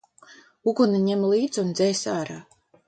Uguni ņem līdz un dzēs ārā!